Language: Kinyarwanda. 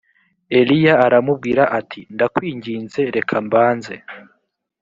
eliya aramubwira ati ndakwinginze reka mbanze